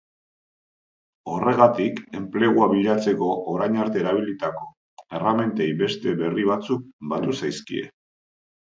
Horregatik, enplegua bilatzeko orain arte erabilitako erremintei beste berri batzuk batu zaizkie.